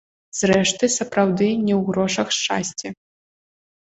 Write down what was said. Зрэшты, сапраўды не ў грошах шчасце.